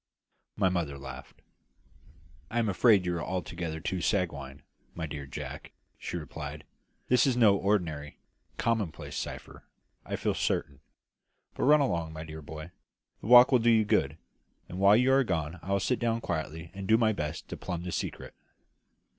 My mother laughed. "I am afraid you are altogether too sanguine, my dear Jack," she replied; "this is no ordinary, commonplace cipher, I feel certain. But run along, my dear boy, the walk will do you good; and while you are gone I will sit down quietly and do my best to plumb the secret."